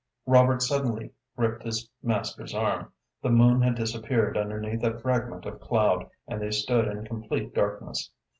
Robert suddenly gripped his master's arm. The moon had disappeared underneath a fragment of cloud and they stood in complete darkness.